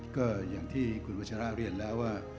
ก็อย่างที่คุณวัชราเรียนแล้วว่า